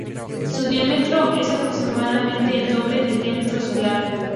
Su diámetro es aproximadamente el doble del diámetro solar.